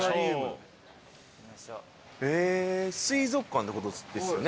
え水族館ってことですよね？